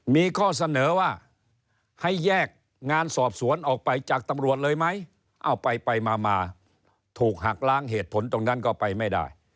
มีข้อเสนอว่าให้แยกงานสอบสวนออกไปจากตำรวจเลยไหมเอาไปไปมาถูกหักล้างเหตุผลตรงนั้นก็ไปไม่ได้